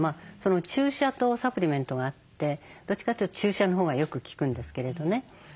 注射とサプリメントがあってどっちかっていうと注射のほうがよく効くんですけれどね。